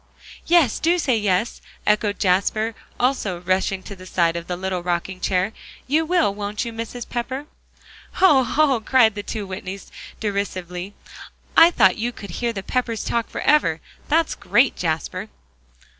"Yes, do say yes," echoed Jasper, also rushing to the side of the little rocking chair. "You will, won't you, Mrs. Pepper?" "Hoh! hoh!" cried the two Whitneys derisively, "I thought you could 'hear the Peppers talk forever.' That's great, Jasper."